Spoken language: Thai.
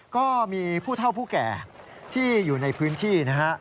ก็มีผู้เท่าผู้แก่ที่อยู่ในพื้นที่นะฮะ